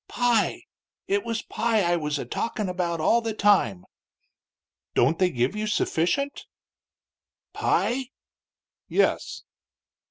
"Pie. It was pie I was a talkin' about all the time." "Don't they give you sufficient?" "Pie?" "Yes."